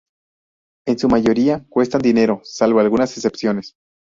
En su mayoría cuestan dinero, salvo algunas excepciones.